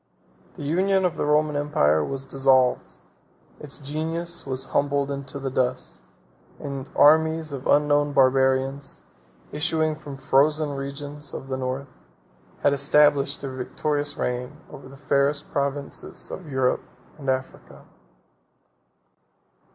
The union of the Roman empire was dissolved; its genius was humbled in the dust; and armies of unknown Barbarians, issuing from the frozen regions of the North, had established their victorious reign over the fairest provinces of Europe and Africa.